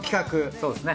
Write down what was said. そうですね。